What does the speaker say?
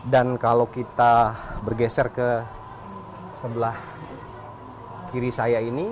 dan kalau kita bergeser ke sebelah kiri saya ini